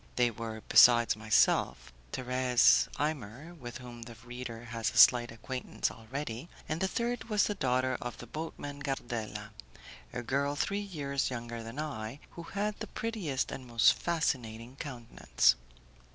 They were, besides myself, Thérèse Imer, with whom the reader has a slight acquaintance already, and the third was the daughter of the boatman Gardela, a girl three years younger than I, who had the prettiest and most fascinating countenance.